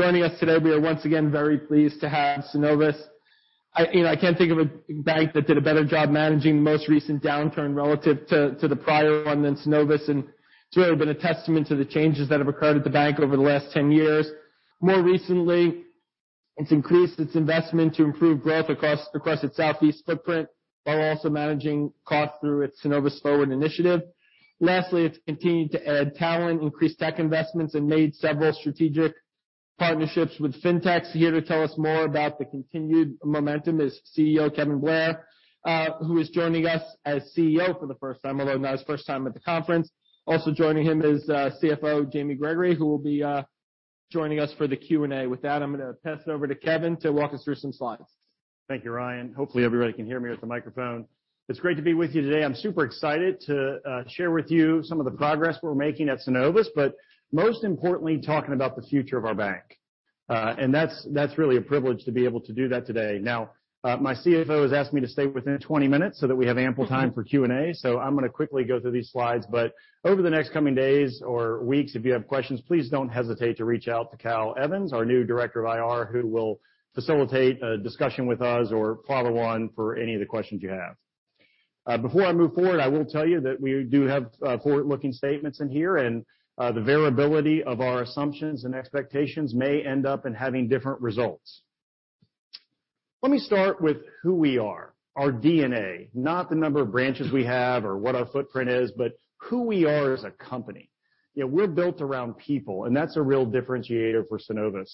Joining us today, we are once again very pleased to have Synovus. You know, I can't think of a bank that did a better job managing the most recent downturn relative to the prior one than Synovus, and it's really been a testament to the changes that have occurred at the bank over the last 10 years. More recently, it's increased its investment to improve growth across its Southeast footprint while also managing costs through its Synovus Forward initiative. Lastly, it's continued to add talent, increase tech investments, and made several strategic partnerships with fintechs. Here to tell us more about the continued momentum is CEO Kevin Blair, who is joining us as CEO for the first time, although not his first time at the conference. Also joining him is CFO Jamie Gregory, who will be joining us for the Q&A. With that, I'm gonna pass it over to Kevin to walk us through some slides. Thank you, Ryan. Hopefully everybody can hear me with the microphone. It's great to be with you today. I'm super excited to share with you some of the progress we're making at Synovus, but most importantly, talking about the future of our bank. That's really a privilege to be able to do that today. Now, my CFO has asked me to stay within 20 minutes so that we have ample time for Q&A. I'm gonna quickly go through these slides, but over the next coming days or weeks, if you have questions, please don't hesitate to reach out to Cal Evans, our new Director of IR, who will facilitate a discussion with us or follow on for any of the questions you have. Before I move forward, I will tell you that we do have forward-looking statements in here and the variability of our assumptions and expectations may end up in having different results. Let me start with who we are, our DNA, not the number of branches we have or what our footprint is, but who we are as a company. You know, we're built around people, and that's a real differentiator for Synovus.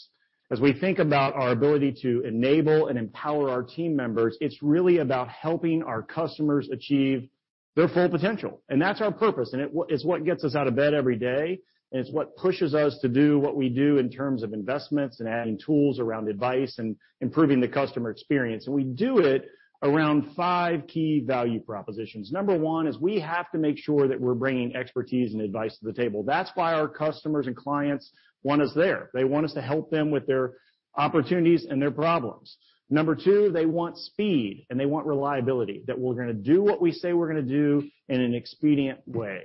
As we think about our ability to enable and empower our team members, it's really about helping our customers achieve their full potential. That's our purpose, and it's what gets us out of bed every day, and it's what pushes us to do what we do in terms of investments and adding tools around advice and improving the customer experience. We do it around five key value propositions. Number one is we have to make sure that we're bringing expertise and advice to the table. That's why our customers and clients want us there. They want us to help them with their opportunities and their problems. Number two, they want speed and they want reliability, that we're gonna do what we say we're gonna do in an expedient way.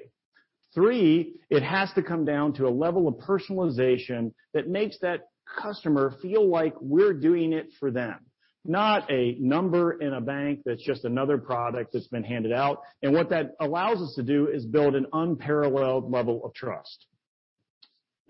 Three, it has to come down to a level of personalization that makes that customer feel like we're doing it for them, not a number in a bank that's just another product that's been handed out. What that allows us to do is build an unparalleled level of trust.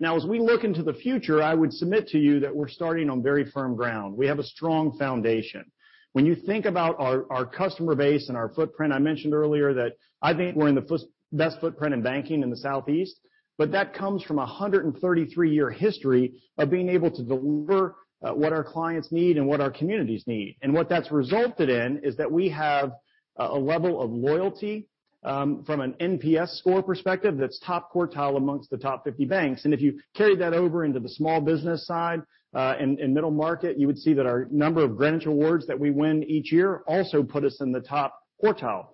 Now as we look into the future, I would submit to you that we're starting on very firm ground. We have a strong foundation. When you think about our customer base and our footprint, I mentioned earlier that I think we're in the best footprint in banking in the Southeast, but that comes from a 133-year history of being able to deliver what our clients need and what our communities need. What that's resulted in is that we have a level of loyalty from an NPS score perspective that's top quartile amongst the top 50 banks. If you carry that over into the small business side and middle market, you would see that our number of Greenwich awards that we win each year also put us in the top quartile.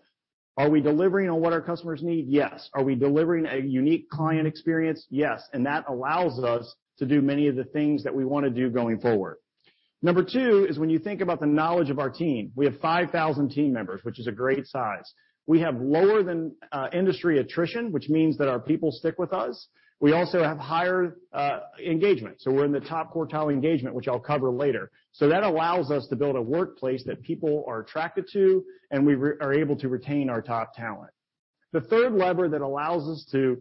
Are we delivering on what our customers need? Yes. Are we delivering a unique client experience? Yes. That allows us to do many of the things that we wanna do going forward. Number two is when you think about the knowledge of our team. We have 5,000 team members, which is a great size. We have lower than industry attrition, which means that our people stick with us. We also have higher engagement. We're in the top quartile engagement, which I'll cover later. That allows us to build a workplace that people are attracted to, and we are able to retain our top talent. The third lever that allows us to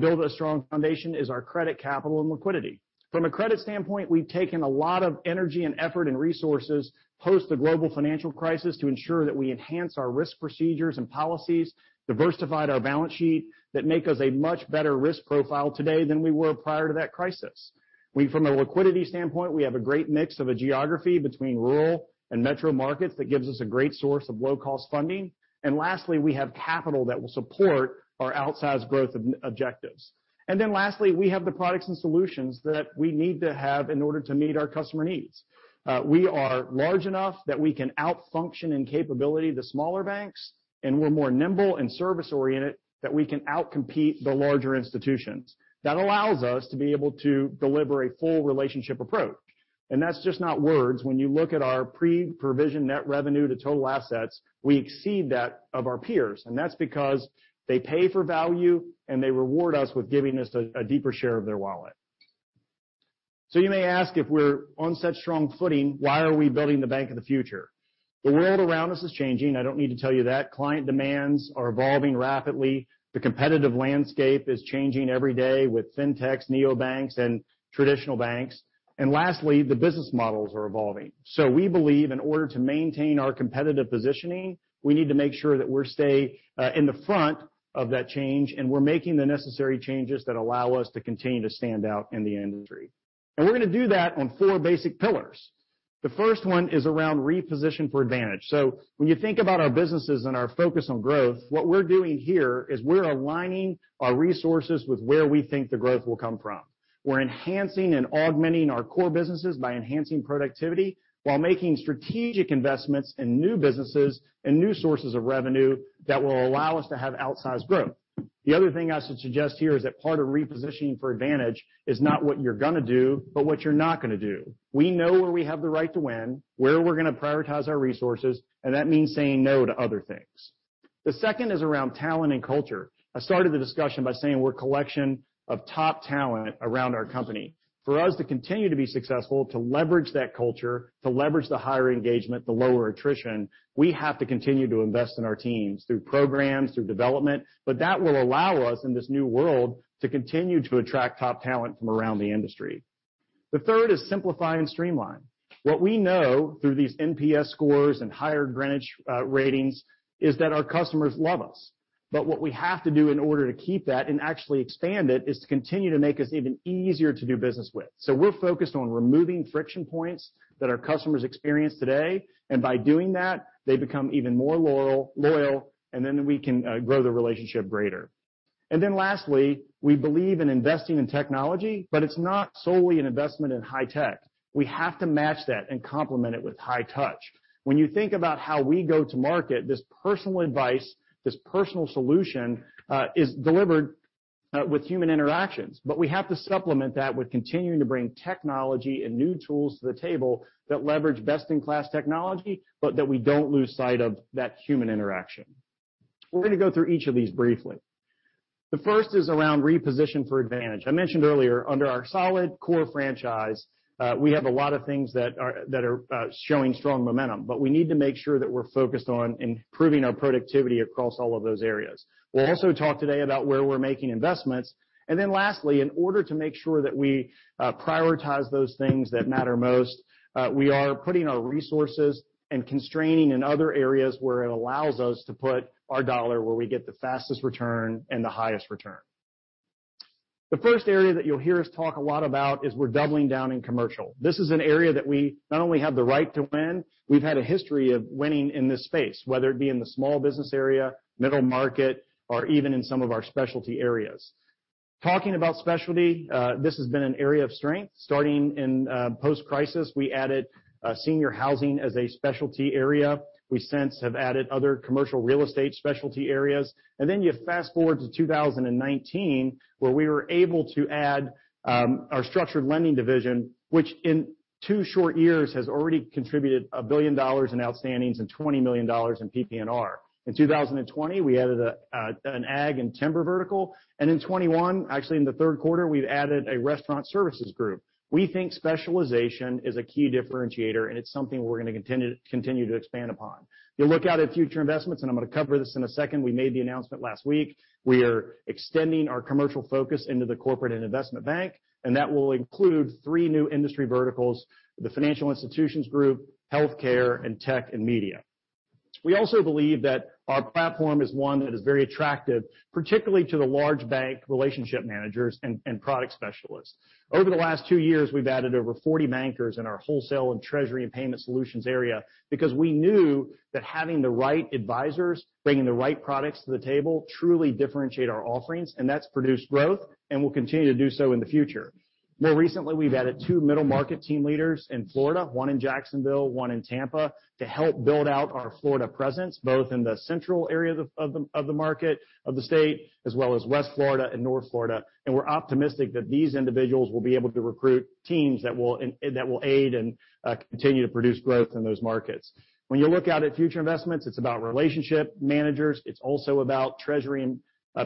build a strong foundation is our credit capital and liquidity. From a credit standpoint, we've taken a lot of energy and effort and resources post the global financial crisis to ensure that we enhance our risk procedures and policies, diversified our balance sheet that make us a much better risk profile today than we were prior to that crisis. From a liquidity standpoint, we have a great mix of our geography between rural and metro markets that gives us a great source of low-cost funding. Lastly, we have capital that will support our outsized growth objectives. Lastly, we have the products and solutions that we need to have in order to meet our customer needs. We are large enough that we can out function and capability the smaller banks, and we're more nimble and service-oriented so that we can outcompete the larger institutions. That allows us to be able to deliver a full relationship approach. That's just not words. When you look at our pre-provision net revenue to total assets, we exceed that of our peers. That's because they pay for value, and they reward us with giving us a deeper share of their wallet. You may ask, if we're on such strong footing, why are we building the bank of the future? The world around us is changing. I don't need to tell you that. Client demands are evolving rapidly. The competitive landscape is changing every day with fintechs, neobanks, and traditional banks. Lastly, the business models are evolving. We believe in order to maintain our competitive positioning, we need to make sure that we stay in the front of that change, and we're making the necessary changes that allow us to continue to stand out in the industry. We're gonna do that on four basic pillars. The first one is around reposition for advantage. When you think about our businesses and our focus on growth, what we're doing here is we're aligning our resources with where we think the growth will come from. We're enhancing and augmenting our core businesses by enhancing productivity while making strategic investments in new businesses and new sources of revenue that will allow us to have outsized growth. The other thing I should suggest here is that part of repositioning for advantage is not what you're gonna do, but what you're not gonna do. We know where we have the right to win, where we're gonna prioritize our resources, and that means saying no to other things. The second is around talent and culture. I started the discussion by saying we're a collection of top talent around our company. For us to continue to be successful, to leverage that culture, to leverage the higher engagement, the lower attrition, we have to continue to invest in our teams through programs, through development. That will allow us, in this new world, to continue to attract top talent from around the industry. The third is simplify and streamline. What we know through these NPS scores and higher Greenwich ratings is that our customers love us. What we have to do in order to keep that and actually expand it is to continue to make us even easier to do business with. We're focused on removing friction points that our customers experience today, and by doing that, they become even more loyal, and then we can grow the relationship greater. Then lastly, we believe in investing in technology, but it's not solely an investment in high tech. We have to match that and complement it with high touch. When you think about how we go to market, this personal advice, this personal solution, is delivered with human interactions. We have to supplement that with continuing to bring technology and new tools to the table that leverage best-in-class technology, but that we don't lose sight of that human interaction. We're gonna go through each of these briefly. The first is around reposition for advantage. I mentioned earlier, under our solid core franchise, we have a lot of things that are showing strong momentum, but we need to make sure that we're focused on improving our productivity across all of those areas. We'll also talk today about where we're making investments. Lastly, in order to make sure that we prioritize those things that matter most, we are putting our resources and constraining in other areas where it allows us to put our dollar where we get the fastest return and the highest return. The first area that you'll hear us talk a lot about is we're doubling down in commercial. This is an area that we not only have the right to win, we've had a history of winning in this space, whether it be in the small business area, middle market, or even in some of our specialty areas. Talking about specialty, this has been an area of strength. Starting in post-crisis, we added senior housing as a specialty area. We since have added other commercial real estate specialty areas. You fast-forward to 2019 where we were able to add our Structured Lending Division, which in two short years has already contributed $1 billion in outstandings and $20 million in PPNR. In 2020, we added an ag and timber vertical, and in 2021, actually in the third quarter, we've added a restaurant finance team. We think specialization is a key differentiator, and it's something we're gonna continue to expand upon. You look out at future investments, and I'm gonna cover this in a second. We made the announcement last week. We are extending our commercial focus into the Corporate & Investment Banking, and that will include three new industry verticals, the Financial Institutions Group, healthcare, and tech and media. We also believe that our platform is one that is very attractive, particularly to the large bank relationship managers and product specialists. Over the last two years, we've added over 40 bankers in our wholesale and Treasury & Payment Solutions area because we knew that having the right advisors bringing the right products to the table truly differentiate our offerings, and that's produced growth and will continue to do so in the future. More recently, we've added two middle market team leaders in Florida, 1 in Jacksonville, 1 in Tampa, to help build out our Florida presence, both in the central area of the market of the state, as well as West Florida and North Florida. We're optimistic that these individuals will be able to recruit teams that will aid and continue to produce growth in those markets. When you look out at future investments, it's about relationship managers. It's also about treasury and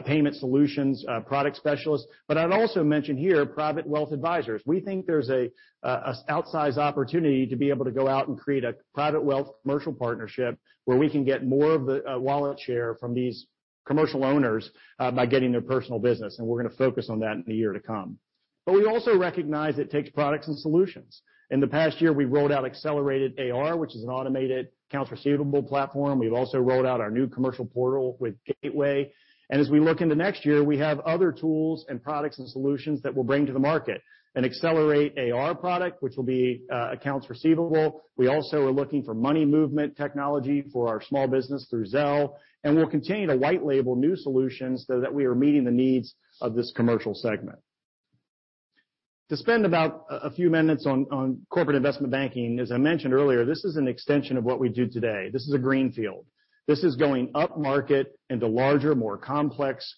payment solutions, product specialists. I'd also mention here private wealth advisors. We think there's an outsized opportunity to be able to go out and create a private wealth commercial partnership where we can get more of the wallet share from these commercial owners by getting their personal business, and we're gonna focus on that in the year to come. We also recognize it takes products and solutions. In the past year, we've rolled out Accelerate AR, which is an automated accounts receivable platform. We've also rolled out our new commercial portal with Gateway. As we look into next year, we have other tools and products and solutions that we'll bring to the market. An Accelerate AR product, which will be accounts receivable. We also are looking for money movement technology for our small business through Zelle, and we'll continue to white label new solutions so that we are meeting the needs of this commercial segment. To spend about a few minutes on Corporate & Investment Banking, as I mentioned earlier, this is an extension of what we do today. This is a greenfield. This is going up market into larger, more complex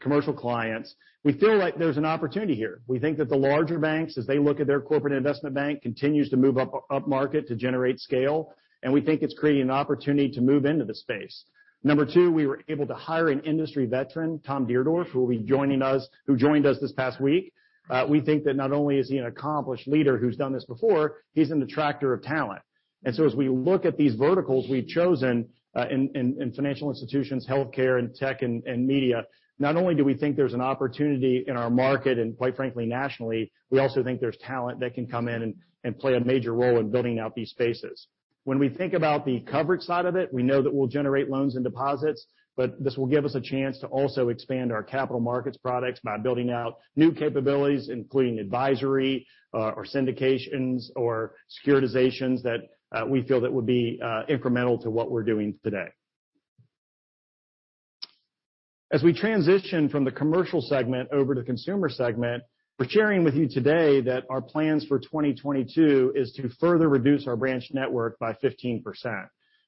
commercial clients. We feel like there's an opportunity here. We think that the larger banks, as they look at their corporate investment bank, continues to move up market to generate scale, and we think it's creating an opportunity to move into the space. Number two, we were able to hire an industry veteran, Tom Dierdorff, who joined us this past week. We think that not only is he an accomplished leader who's done this before, he's an attractor of talent. As we look at these verticals we've chosen in financial institutions, healthcare, and tech and media, not only do we think there's an opportunity in our market, and quite frankly, nationally, we also think there's talent that can come in and play a major role in building out these spaces. When we think about the coverage side of it, we know that we'll generate loans and deposits, but this will give us a chance to also expand our capital markets products by building out new capabilities, including advisory, or syndications or securitizations that we feel that would be incremental to what we're doing today. As we transition from the commercial segment over to consumer segment, we're sharing with you today that our plans for 2022 is to further reduce our branch network by 15%.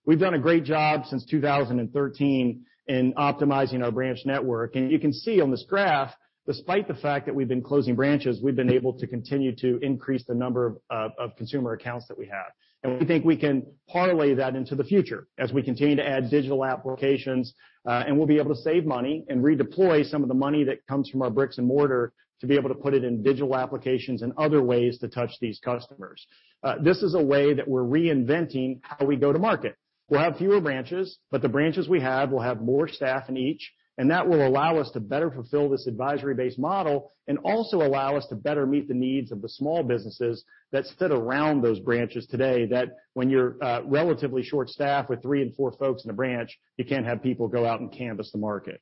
We've done a great job since 2013 in optimizing our branch network. You can see on this graph, despite the fact that we've been closing branches, we've been able to continue to increase the number of consumer accounts that we have. We think we can parlay that into the future as we continue to add digital applications, and we'll be able to save money and redeploy some of the money that comes from our bricks and mortar to be able to put it in digital applications and other ways to touch these customers. This is a way that we're reinventing how we go to market. We'll have fewer branches, but the branches we have will have more staff in each, and that will allow us to better fulfill this advisory-based model and also allow us to better meet the needs of the small businesses that sit around those branches today that when you're relatively short-staffed with three and four folks in a branch, you can't have people go out and canvass the market.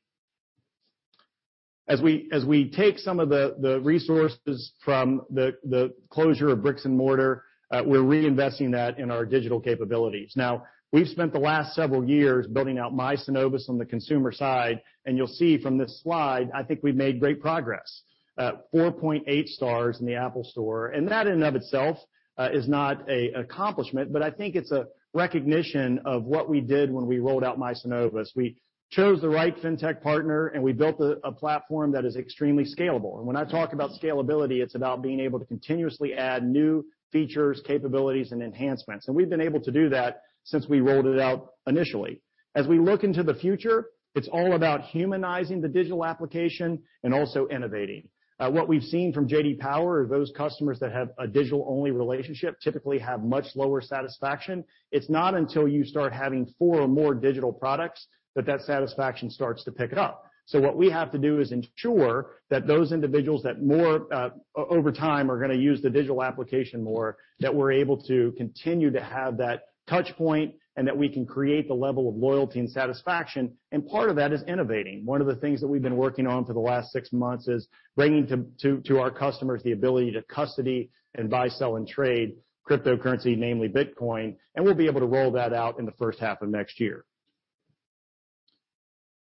As we take some of the resources from the closure of brick and mortar, we're reinvesting that in our digital capabilities. Now, we've spent the last several years building out My Synovus on the consumer side, and you'll see from this slide, I think we've made great progress. 4.8 stars in the App Store. That in and of itself is not an accomplishment, but I think it's a recognition of what we did when we rolled out My Synovus. We chose the right fintech partner, and we built a platform that is extremely scalable. When I talk about scalability, it's about being able to continuously add new features, capabilities and enhancements. We've been able to do that since we rolled it out initially. As we look into the future, it's all about humanizing the digital application and also innovating. What we've seen from J.D. Power of those customers that have a digital-only relationship typically have much lower satisfaction. It's not until you start having four or more digital products that that satisfaction starts to pick it up. What we have to do is ensure that those individuals that more over time are gonna use the digital application more, that we're able to continue to have that touch point and that we can create the level of loyalty and satisfaction, and part of that is innovating. One of the things that we've been working on for the last six months is bringing to our customers the ability to custody and buy, sell, and trade cryptocurrency, namely Bitcoin, and we'll be able to roll that out in the first half of next year.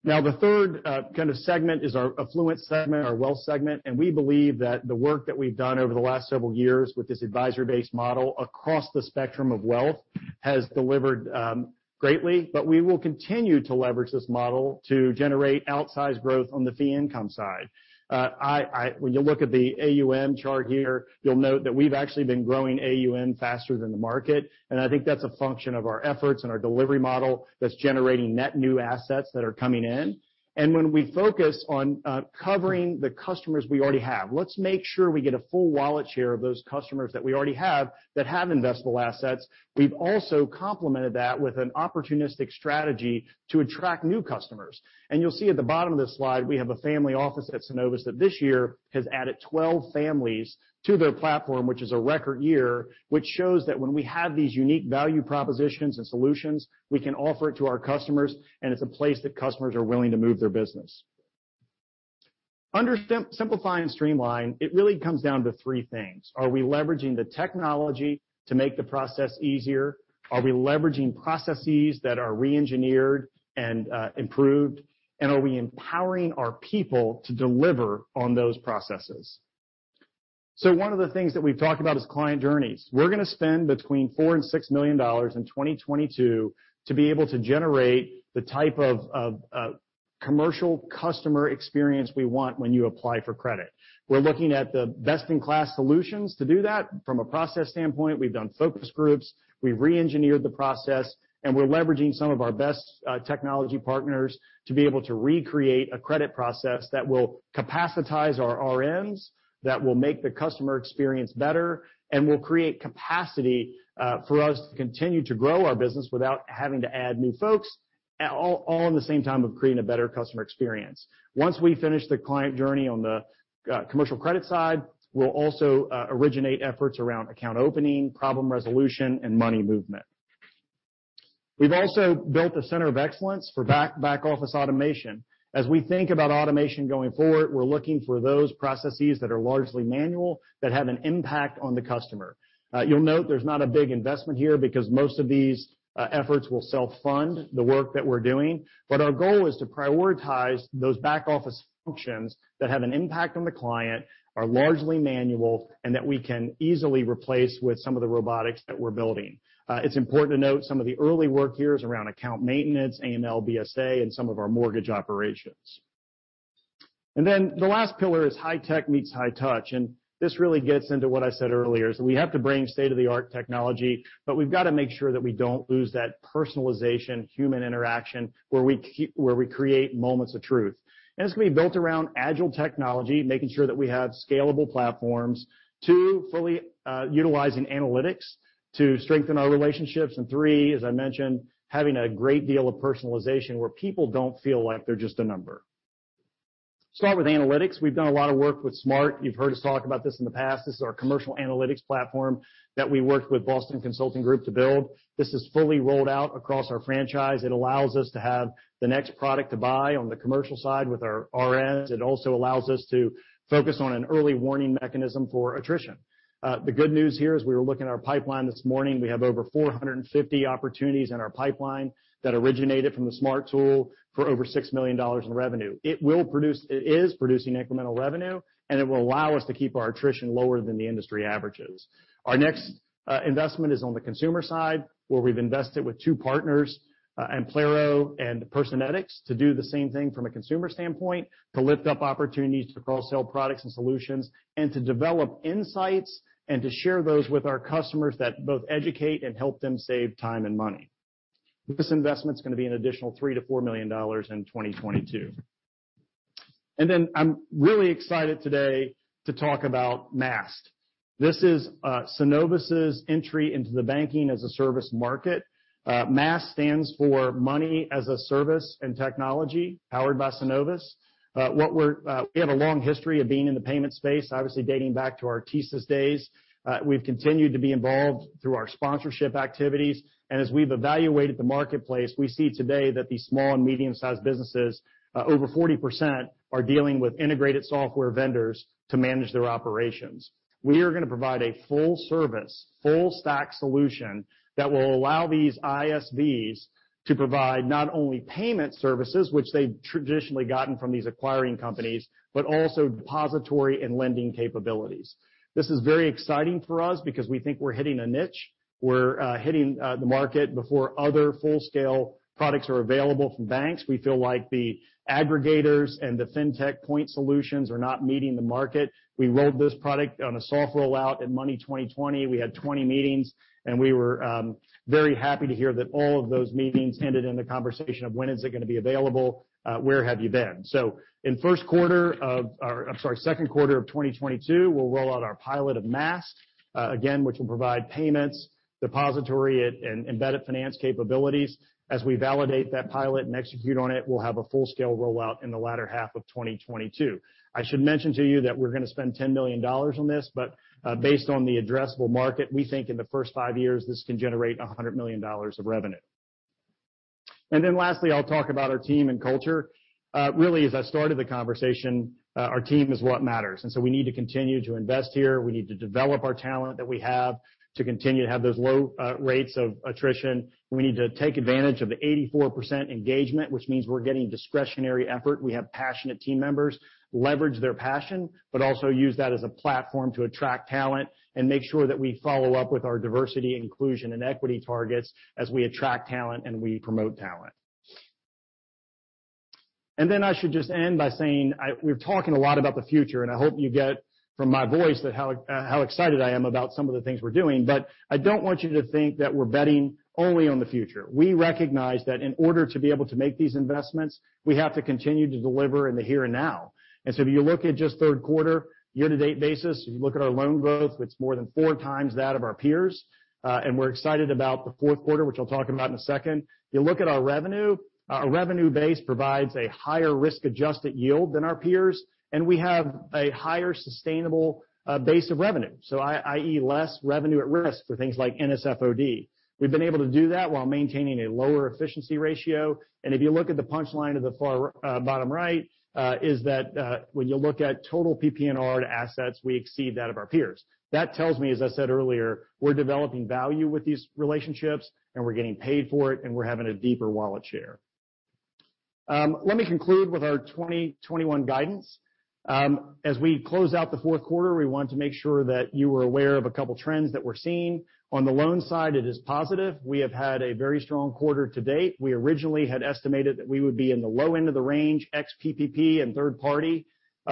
Now, the third kind of segment is our affluent segment, our wealth segment, and we believe that the work that we've done over the last several years with this advisory-based model across the spectrum of wealth has delivered greatly. We will continue to leverage this model to generate outsized growth on the fee income side. When you look at the AUM chart here, you'll note that we've actually been growing AUM faster than the market, and I think that's a function of our efforts and our delivery model that's generating net new assets that are coming in. When we focus on covering the customers we already have, let's make sure we get a full wallet share of those customers that we already have that have investable assets. We've also complemented that with an opportunistic strategy to attract new customers. You'll see at the bottom of this slide, we have a family office at Synovus that this year has added 12 families to their platform, which is a record year, which shows that when we have these unique value propositions and solutions, we can offer it to our customers, and it's a place that customers are willing to move their business. Under simplify and streamline, it really comes down to three things. Are we leveraging the technology to make the process easier? Are we leveraging processes that are reengineered and improved? And are we empowering our people to deliver on those processes? One of the things that we've talked about is client journeys. We're gonna spend between $4 million-$6 million in 2022 to be able to generate the type of commercial customer experience we want when you apply for credit. We're looking at the best-in-class solutions to do that from a process standpoint. We've done focus groups, we've reengineered the process, and we're leveraging some of our best technology partners to be able to recreate a credit process that will capacitize our RMs, that will make the customer experience better and will create capacity for us to continue to grow our business without having to add new folks, all in the same time of creating a better customer experience. Once we finish the client journey on the commercial credit side, we'll also originate efforts around account opening, problem resolution, and money movement. We've also built a center of excellence for back-office automation. As we think about automation going forward, we're looking for those processes that are largely manual that have an impact on the customer. You'll note there's not a big investment here because most of these efforts will self-fund the work that we're doing. Our goal is to prioritize those back-office functions that have an impact on the client, are largely manual, and that we can easily replace with some of the robotics that we're building. It's important to note some of the early work here is around account maintenance, AML, BSA, and some of our mortgage operations. The last pillar is high tech meets high touch. This really gets into what I said earlier, is we have to bring state-of-the-art technology, but we've got to make sure that we don't lose that personalization, human interaction where we create moments of truth. It's gonna be built around agile technology, making sure that we have scalable platforms. 2, fully utilizing analytics to strengthen our relationships. 3, as I mentioned, having a great deal of personalization where people don't feel like they're just a number. Start with analytics. We've done a lot of work with Smart. You've heard us talk about this in the past. This is our commercial analytics platform that we worked with Boston Consulting Group to build. This is fully rolled out across our franchise. It allows us to have the next product to buy on the commercial side with our RMs. It also allows us to focus on an early warning mechanism for attrition. The good news here as we were looking at our pipeline this morning, we have over 450 opportunities in our pipeline that originated from the Smart tool for over $6 million in revenue. It is producing incremental revenue, and it will allow us to keep our attrition lower than the industry averages. Our next investment is on the consumer side, where we've invested with two partners, Amplero and Personetics, to do the same thing from a consumer standpoint, to lift up opportunities to cross-sell products and solutions, and to develop insights and to share those with our customers that both educate and help them save time and money. This investment's gonna be an additional $3 million-$4 million in 2022. I'm really excited today to talk about Maast. This is Synovus's entry into the banking-as-a-service market. Maast stands for Money as a Service, powered by Synovus. We have a long history of being in the payment space, obviously dating back to our TSYS days. We've continued to be involved through our sponsorship activities. As we've evaluated the marketplace, we see today that the small and medium-sized businesses, over 40% are dealing with integrated software vendors to manage their operations. We are gonna provide a full service, full stack solution that will allow these ISVs to provide not only payment services, which they've traditionally gotten from these acquiring companies, but also depository and lending capabilities. This is very exciting for us because we think we're hitting a niche. We're hitting the market before other full-scale products are available from banks. We feel like the aggregators and the fintech point solutions are not meeting the market. We rolled this product on a soft rollout at Money20/20. We had 20 meetings, and we were very happy to hear that all of those meetings ended in the conversation of when is it gonna be available? Where have you been? In second quarter of 2022, we'll roll out our pilot of Maast again, which will provide payments, depository, and embedded finance capabilities. As we validate that pilot and execute on it, we'll have a full-scale rollout in the latter half of 2022. I should mention to you that we're gonna spend $10 million on this, but based on the addressable market, we think in the first five years, this can generate $100 million of revenue. Then lastly, I'll talk about our team and culture. Really, as I started the conversation, our team is what matters. We need to continue to invest here. We need to develop our talent that we have to continue to have those low rates of attrition. We need to take advantage of the 84% engagement, which means we're getting discretionary effort. We have passionate team members, leverage their passion, but also use that as a platform to attract talent and make sure that we follow up with our diversity, inclusion, and equity targets as we attract talent and we promote talent. I should just end by saying, we're talking a lot about the future, and I hope you get from my voice that how how excited I am about some of the things we're doing. I don't want you to think that we're betting only on the future. We recognize that in order to be able to make these investments, we have to continue to deliver in the here and now. If you look at just third quarter year-to-date basis, if you look at our loan growth, it's more than 4 times that of our peers. We're excited about the fourth quarter, which I'll talk about in a second. If you look at our revenue, our revenue base provides a higher risk-adjusted yield than our peers, and we have a higher sustainable base of revenue, so i.e., less revenue at risk for things like NSF/OD. We've been able to do that while maintaining a lower efficiency ratio. If you look at the punchline at the far bottom right is that when you look at total PPNR to assets, we exceed that of our peers. That tells me, as I said earlier, we're developing value with these relationships, and we're getting paid for it, and we're having a deeper wallet share. Let me conclude with our 2021 guidance. As we close out the fourth quarter, we want to make sure that you are aware of a couple trends that we're seeing. On the loan side, it is positive. We have had a very strong quarter to date. We originally had estimated that we would be in the low end of the range, ex-PPP and third party,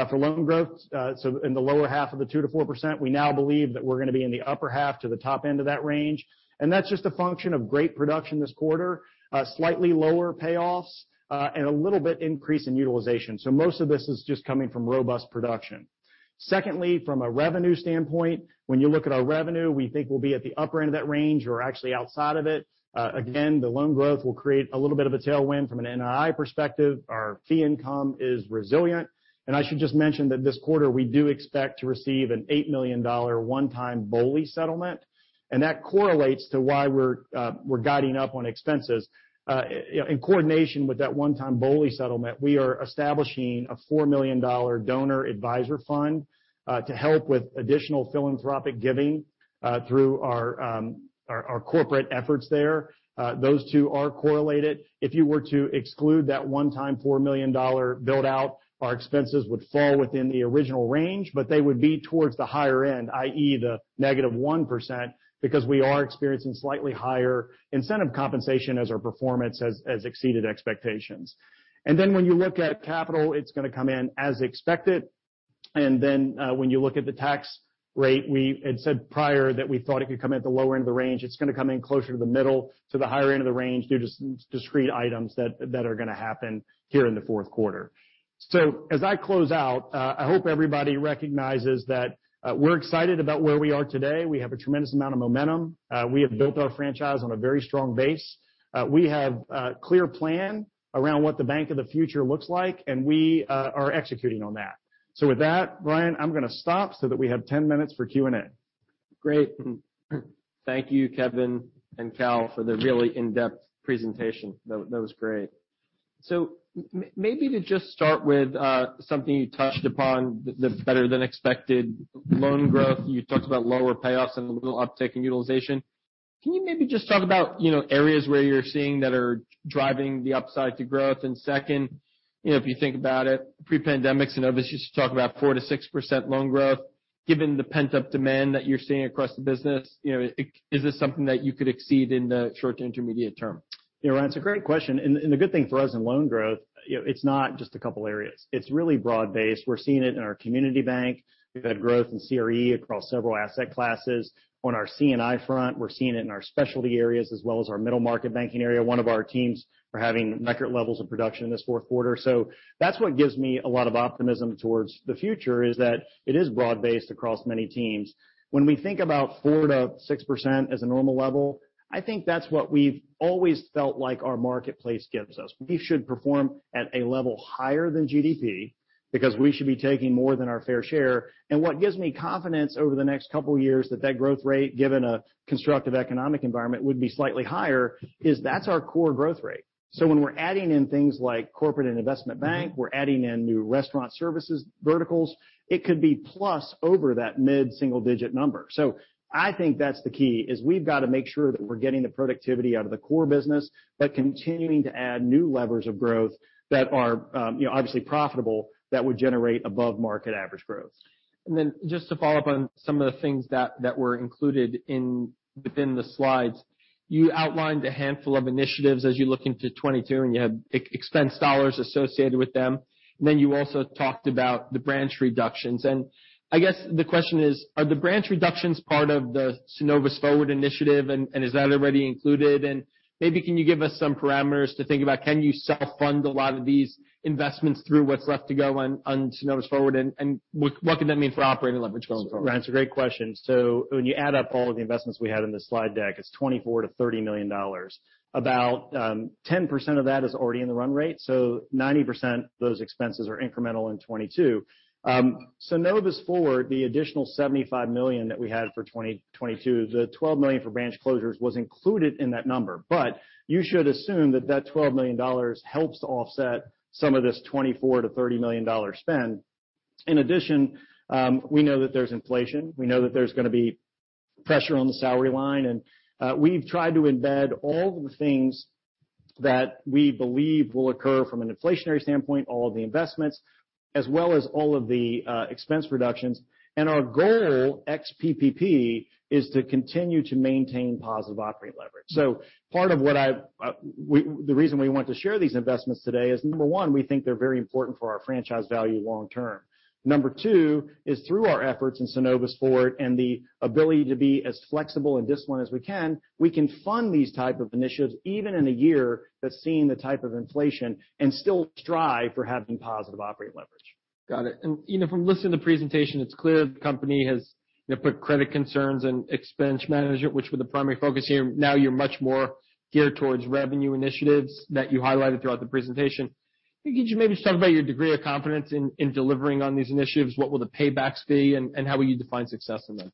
for loan growth, so in the lower half of the 2%-4%. We now believe that we're gonna be in the upper half to the top end of that range. That's just a function of great production this quarter, slightly lower payoffs, and a little bit increase in utilization. Most of this is just coming from robust production. Secondly, from a revenue standpoint, when you look at our revenue, we think we'll be at the upper end of that range or actually outside of it. Again, the loan growth will create a little bit of a tailwind from an NII perspective. Our fee income is resilient. I should just mention that this quarter, we do expect to receive an $8 million one-time BOLI settlement, and that correlates to why we're guiding up on expenses. In coordination with that one-time BOLI settlement, we are establishing a $4 million donor-advised fund to help with additional philanthropic giving through our corporate efforts there. Those two are correlated. If you were to exclude that one-time $4 million build-out, our expenses would fall within the original range, but they would be towards the higher end, i.e., -1%, because we are experiencing slightly higher incentive compensation as our performance has exceeded expectations. When you look at capital, it's gonna come in as expected. When you look at the tax rate, we had said prior that we thought it could come in at the lower end of the range. It's gonna come in closer to the middle to the higher end of the range due to some discrete items that are gonna happen here in the Q4. As I close out, I hope everybody recognizes that we're excited about where we are today. We have a tremendous amount of momentum. We have built our franchise on a very strong base. We have a clear plan around what the bank of the future looks like, and we are executing on that. With that, Ryan, I'm gonna stop so that we have 10 minutes for Q&A. Great. Thank you, Kevin and Cal, for the really in-depth presentation. That was great. Maybe to just start with, something you touched upon, the better than expected loan growth. You talked about lower payoffs and a little uptick in utilization. Can you maybe just talk about, you know, areas where you're seeing that are driving the upside to growth? Second, you know, if you think about it, pre-pandemic, Synovus used to talk about 4%-6% loan growth. Given the pent-up demand that you're seeing across the business, you know, is this something that you could exceed in the short to intermediate term? You know, Ryan, it's a great question. The good thing for us in loan growth, you know, it's not just a couple areas. It's really broad-based. We're seeing it in our community bank. We've had growth in CRE across several asset classes. On our C&I front, we're seeing it in our specialty areas as well as our middle market banking area. One of our teams are having record levels of production in this Q4. That's what gives me a lot of optimism towards the future is that it is broad-based across many teams. When we think about 4%-6% as a normal level, I think that's what we've always felt like our marketplace gives us. We should perform at a level higher than GDP. We should be taking more than our fair share. What gives me confidence over the next couple years that that growth rate, given a constructive economic environment, would be slightly higher is that's our core growth rate. When we're adding in things like Corporate & Investment Banking, we're adding in new restaurant services verticals, it could be plus over that mid-single-digit number. I think that's the key, is we've got to make sure that we're getting the productivity out of the core business, but continuing to add new levers of growth that are, you know, obviously profitable that would generate above-market average growth. Then just to follow up on some of the things that were included within the slides. You outlined a handful of initiatives as you look into 2022, and you have expense dollars associated with them. You also talked about the branch reductions. I guess the question is, are the branch reductions part of the Synovus Forward initiative, and is that already included? Maybe can you give us some parameters to think about, can you self-fund a lot of these investments through what's left to go on Synovus Forward, and what could that mean for operating leverage going forward? Ryan, it's a great question. When you add up all of the investments we had in this slide deck, it's $24 million-$30 million. About 10% of that is already in the run rate, so 90% of those expenses are incremental in 2022. Synovus Forward, the additional $75 million that we had for 2022, the $12 million for branch closures was included in that number. You should assume that that $12 million helps to offset some of this $24 million-$30 million spend. In addition, we know that there's inflation. We know that there's gonna be pressure on the salary line. We've tried to embed all the things that we believe will occur from an inflationary standpoint, all of the investments, as well as all of the expense reductions. Our goal, ex PPP, is to continue to maintain positive operating leverage. Part of the reason we wanted to share these investments today is, number one, we think they're very important for our franchise value long term. Number two is through our efforts in Synovus Forward and the ability to be as flexible and disciplined as we can, we can fund these type of initiatives even in a year that's seen the type of inflation and still strive for having positive operating leverage. Got it. You know, from listening to the presentation, it's clear the company has, you know, put credit concerns and expense management, which were the primary focus here. Now you're much more geared towards revenue initiatives that you highlighted throughout the presentation. Could you maybe just talk about your degree of confidence in delivering on these initiatives? What will the paybacks be, and how will you define success in them?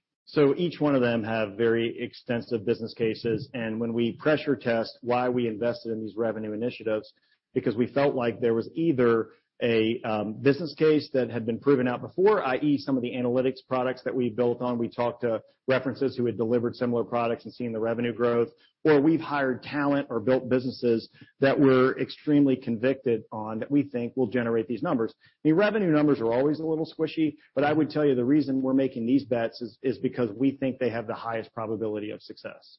Each one of them have very extensive business cases. When we pressure test why we invested in these revenue initiatives, because we felt like there was either a business case that had been proven out before, i.e., some of the analytics products that we built on, we talked to references who had delivered similar products and seen the revenue growth, or we've hired talent or built businesses that we're extremely convicted on that we think will generate these numbers. The revenue numbers are always a little squishy, but I would tell you the reason we're making these bets is because we think they have the highest probability of success.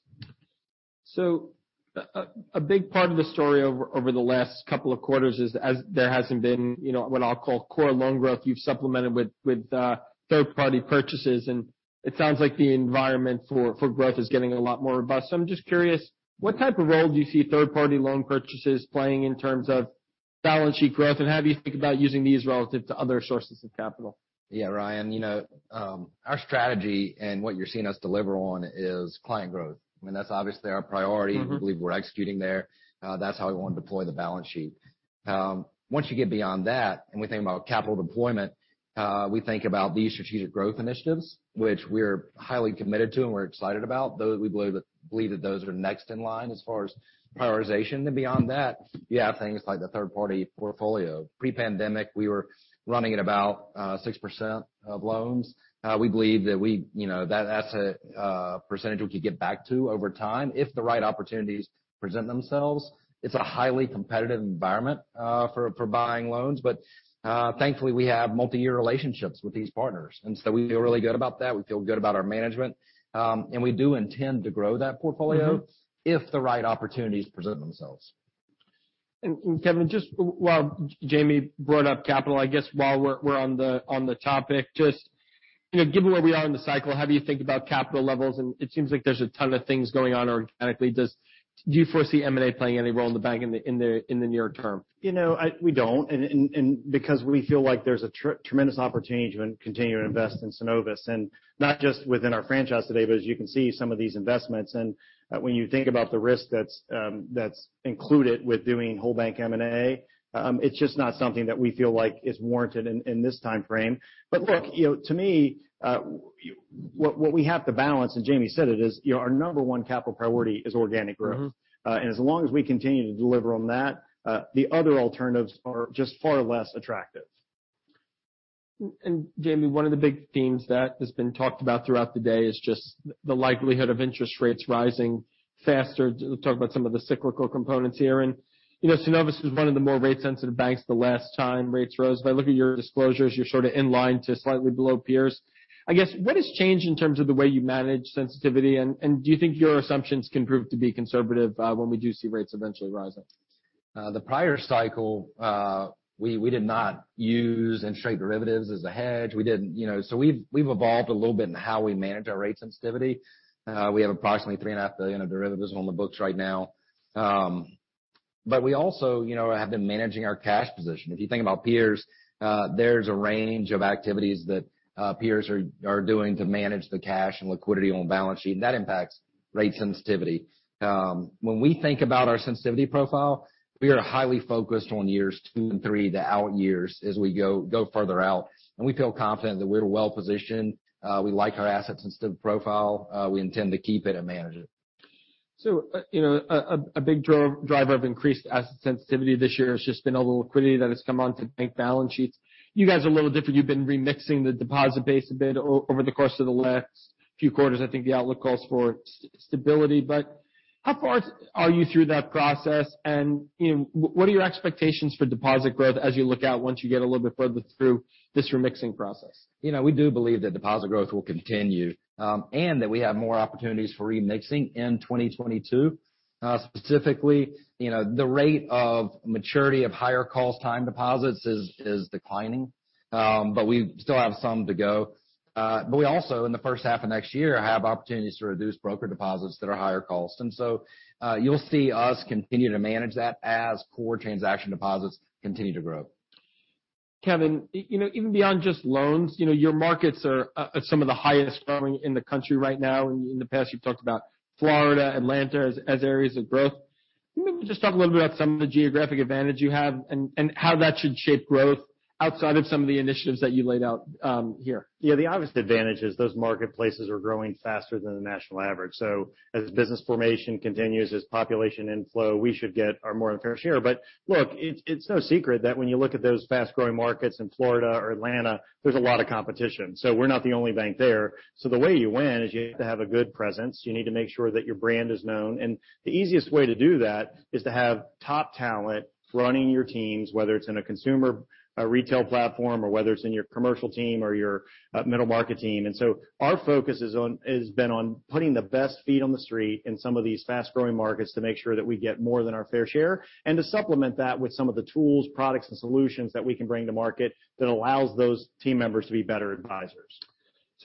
A big part of the story over the last couple of quarters is that there hasn't been, you know, what I'll call core loan growth you've supplemented with third-party purchases, and it sounds like the environment for growth is getting a lot more robust. I'm just curious, what type of role do you see third-party loan purchases playing in terms of balance sheet growth, and how do you think about using these relative to other sources of capital? Yeah, Ryan, you know, our strategy and what you're seeing us deliver on is client growth. I mean, that's obviously our priority. Mm-hmm. We believe we're executing there. That's how we wanna deploy the balance sheet. Once you get beyond that and we think about capital deployment, we think about these strategic growth initiatives, which we're highly committed to and we're excited about. Those, we believe that those are next in line as far as prioritization. Beyond that, you have things like the third-party portfolio. Pre-pandemic, we were running at about 6% of loans. We believe that you know, that's a percentage we could get back to over time if the right opportunities present themselves. It's a highly competitive environment for buying loans. Thankfully, we have multi-year relationships with these partners. We feel really good about that. We feel good about our management. We do intend to grow that portfolio. Mm-hmm. If the right opportunities present themselves. Kevin, just while Jamie brought up capital, I guess while we're on the topic, just, you know, given where we are in the cycle, how do you think about capital levels? It seems like there's a ton of things going on organically. Do you foresee M&A playing any role in the bank in the near term? You know, we don't. Because we feel like there's a tremendous opportunity to continue to invest in Synovus, and not just within our franchise today, but as you can see, some of these investments. When you think about the risk that's included with doing whole bank M&A, it's just not something that we feel like is warranted in this timeframe. Look, you know, to me, what we have to balance, and Jamie said it, is, you know, our number one capital priority is organic growth. Mm-hmm. As long as we continue to deliver on that, the other alternatives are just far less attractive. Jamie, one of the big themes that has been talked about throughout the day is just the likelihood of interest rates rising faster. To talk about some of the cyclical components here. You know, Synovus is one of the more rate sensitive banks the last time rates rose. If I look at your disclosures, you're sort of in line to slightly below peers. I guess what has changed in terms of the way you manage sensitivity? Do you think your assumptions can prove to be conservative when we do see rates eventually rising? The prior cycle, we did not use interest rate derivatives as a hedge. We didn't, you know. We've evolved a little bit in how we manage our rate sensitivity. We have approximately $3.5 billion of derivatives on the books right now. But we also, you know, have been managing our cash position. If you think about peers, there's a range of activities that peers are doing to manage the cash and liquidity on balance sheet, and that impacts rate sensitivity. When we think about our sensitivity profile, we are highly focused on years two and three, the out years as we go further out. We feel confident that we're well-positioned. We like our assets sensitivity profile. We intend to keep it and manage it. You know, a big driver of increased asset sensitivity this year has just been all the liquidity that has come onto bank balance sheets. You guys are a little different. You've been remixing the deposit base a bit over the course of the last few quarters. I think the outlook calls for stability. How far are you through that process? You know, what are your expectations for deposit growth as you look out once you get a little bit further through this remixing process? You know, we do believe that deposit growth will continue, and that we have more opportunities for remixing in 2022. Specifically, you know, the rate of maturity of higher cost time deposits is declining, but we still have some to go. But we also, in the first half of next year, have opportunities to reduce brokered deposits that are higher cost. You'll see us continue to manage that as core transaction deposits continue to grow. Kevin, you know, even beyond just loans, you know, your markets are at some of the highest growing in the country right now. In the past, you've talked about Florida, Atlanta as areas of growth. Maybe just talk a little bit about some of the geographic advantage you have and how that should shape growth outside of some of the initiatives that you laid out, here. Yeah, the obvious advantage is those marketplaces are growing faster than the national average. As business formation continues, as population inflow, we should get our more than fair share. Look, it's no secret that when you look at those fast-growing markets in Florida or Atlanta, there's a lot of competition. We're not the only bank there. The way you win is you have to have a good presence. You need to make sure that your brand is known. The easiest way to do that is to have top talent running your teams, whether it's in a consumer, a retail platform or whether it's in your commercial team or your middle market team. Our focus has been on putting the best feet on the street in some of these fast-growing markets to make sure that we get more than our fair share, and to supplement that with some of the tools, products, and solutions that we can bring to market that allows those team members to be better advisors.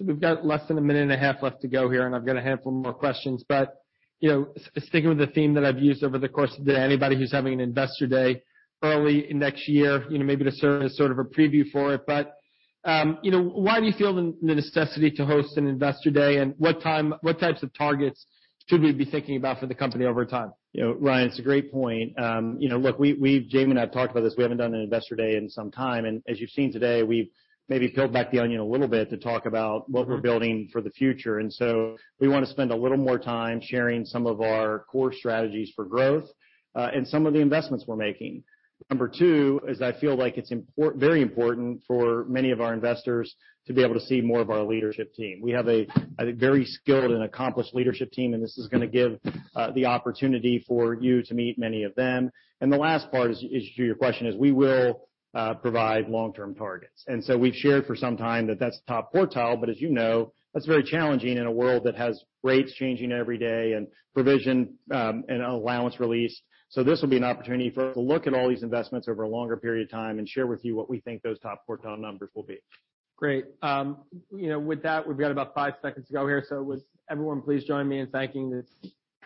We've got less than a minute and a half left to go here, and I've got a handful more questions. You know, sticking with the theme that I've used over the course of the day, anybody who's having an investor day early in next year, you know, maybe to serve as sort of a preview for it. You know, why do you feel the necessity to host an investor day? And what types of targets should we be thinking about for the company over time? You know, Ryan, it's a great point. You know, look, Jamie and I have talked about this. We haven't done an investor day in some time. As you've seen today, we've maybe peeled back the onion a little bit to talk about what we're building for the future. We want to spend a little more time sharing some of our core strategies for growth, and some of the investments we're making. Number two is I feel like it's very important for many of our investors to be able to see more of our leadership team. We have a very skilled and accomplished leadership team, and this is gonna give the opportunity for you to meet many of them. The last part is to your question, we will provide long-term targets. We've shared for some time that that's top quartile, but as you know, that's very challenging in a world that has rates changing every day and provision, and allowance release. This will be an opportunity for us to look at all these investments over a longer period of time and share with you what we think those top quartile numbers will be. Great. You know, with that, we've got about five seconds to go here. Would everyone please join me in thanking this-